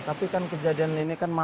tapi kan kejadian ini kan masalah